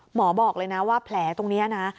หมอบอกเลยนะว่าแผลตรงนี้นะ